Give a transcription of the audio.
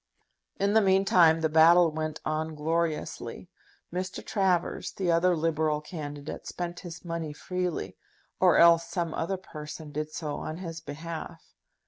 In the meantime the battle went on gloriously. Mr. Travers, the other Liberal candidate, spent his money freely, or else some other person did so on his behalf.